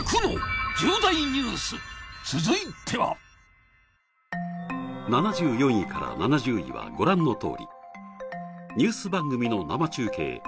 続いては７４位から７０位はご覧のとおりニュース番組の生中継